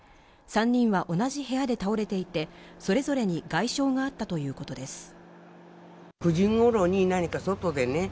３人は同じ部屋で倒れていて、それぞれに外傷があったということです。